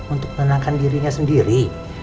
untuk menenangkan dirinya sendiri